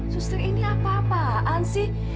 suster ini apa apaan sih